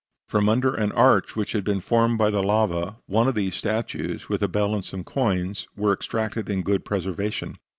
From under an arch which had been formed by the lava, one of these statues, with a bell and some coins, were extracted in good preservation.